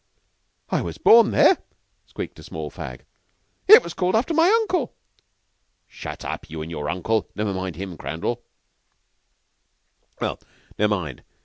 "I was born there," squeaked a small fag. "It was called after my uncle." "Shut up you and your uncle! Never mind him, Crandall." "Well, ne'er mind.